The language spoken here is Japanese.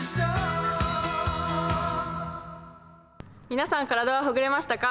皆さん、体はほぐれましたか？